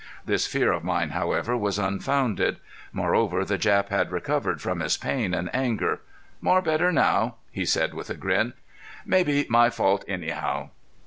This fear of mine, however, was unfounded. Moreover the Jap had recovered from his pain and anger. "More better now," he said, with a grin. "Maybe my fault anyhow."